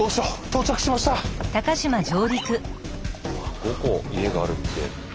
５戸家があるって。